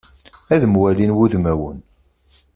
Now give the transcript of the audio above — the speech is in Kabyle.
Ad mwalin wudmawen.